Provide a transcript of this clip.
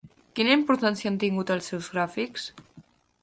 Quina importància han tingut els seus gràfics?